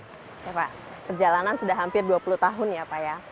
oke pak perjalanan sudah hampir dua puluh tahun ya pak ya